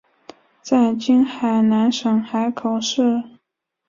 在今海南省海口市。